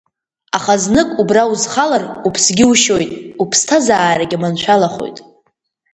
Аха знык убра узхалар, уԥсгьы ушьоит, уԥсҭазаарагьы маншәалахоит.